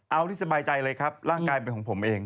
เอาที่สบายใจเลยครับร่างกายเป็นของผมเอง